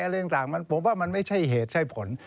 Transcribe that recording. อะไรอย่างต่างผมว่ามันไม่ใช่เหตุไม่ใช่ผล